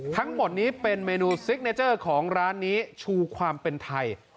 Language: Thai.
ทั้งหมดนี้เป็นเมนูซิกเนเจอร์ของร้านนี้ชูความเป็นไทย